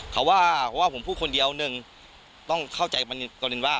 เขาว่าเพราะว่าผมพูดคนเดียวหนึ่งต้องเข้าใจมันกรณีว่า